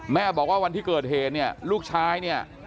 แม่บอกว่าวันที่เกิดเหตุเนี่ยลูกชายเนี่ย